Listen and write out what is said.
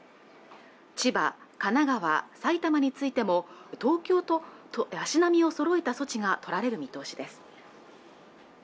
千葉、神奈川、埼玉についても東京と足並みをそろえた措置が取られる見通しです